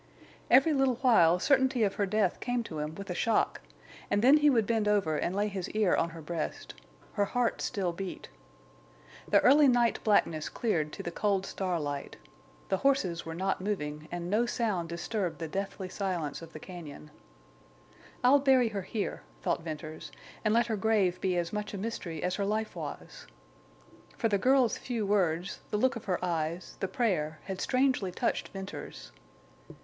Every little while certainty of her death came to him with a shock; and then he would bend over and lay his ear on her breast. Her heart still beat. The early night blackness cleared to the cold starlight. The horses were not moving, and no sound disturbed the deathly silence of the cañon. "I'll bury her here," thought Venters, "and let her grave be as much a mystery as her life was." For the girl's few words, the look of her eyes, the prayer, had strangely touched Venters.